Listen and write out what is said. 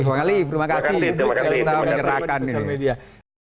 bang ali terima kasih untuk kita menyerahkan di sosial media